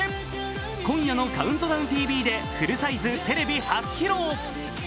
今夜の「ＣＤＴＶ」でフルサイズテレビ初披露。